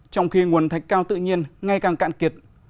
trong khi nguồn thạch cao tự nhiên ngay càng cạn kiệt